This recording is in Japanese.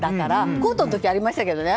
コートの時はありましたけどね。